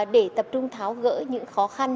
để tập trung tháo gỡ những khó khăn